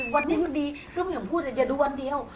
วันนี้วันดีก็ไม่ยอมพูดเลยอย่าดูวันเดียว